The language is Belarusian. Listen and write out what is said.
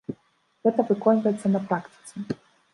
Гэта выконваецца на практыцы.